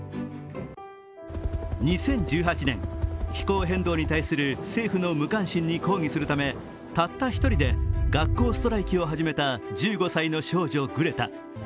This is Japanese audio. ２０１８年、気候変動に対する政府の無関心に抗議するためたった一人で学校ストライキを始めた１５歳の少女・グレタ。